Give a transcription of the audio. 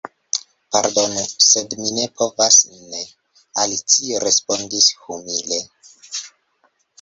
"Pardonu, sed mi ne povas ne," Alicio respondis humile.